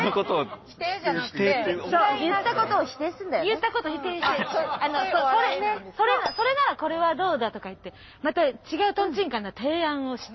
言った事否定して「それならこれはどうだ！」とか言ってまた違うトンチンカンな提案をして。